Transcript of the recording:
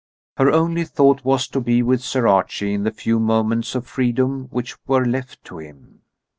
Her only thought was to be with Sir Archie in the few moments of freedom which were left to him.